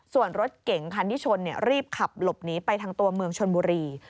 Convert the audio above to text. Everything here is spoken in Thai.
ส่วนรถเก่งคันที่ชนรีบขับหลบหนีไปทางตัวเมืองชนบุรี